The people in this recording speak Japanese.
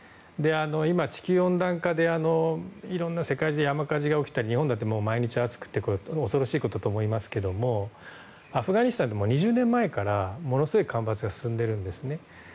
今、地球温暖化で世界中で山火事が起きたり日本だって毎日暑くて恐ろしいことだと思いますけどアフガニスタンって２０年前からものすごい干ばつが進んでるんですね。